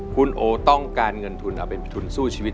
คุณโอต้องการเงินทุนเอาเป็นทุนสู้ชีวิต